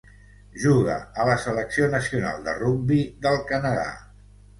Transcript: Juga a la selecció nacional de rugbi del Canadà.